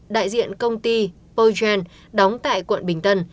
đại diện công ty pogen đóng tại quận bình tân